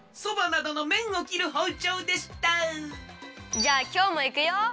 じゃあきょうもいくよ！